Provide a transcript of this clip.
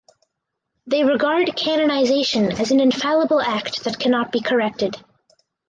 They regard canonization as an infallible act that cannot be corrected.